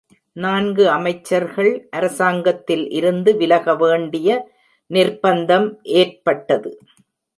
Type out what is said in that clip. நான்கு அமைச்சர்கள் அரசாங்கத்தில் இருந்து விலக வேண்டிய நிர்ப்பந்தம் ஏற்பட்டது.